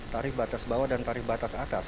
tarif batas bawah dan tarif batas atas